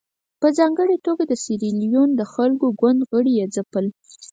په ځانګړې توګه د سیریلیون د خلکو ګوند غړي یې ځپل.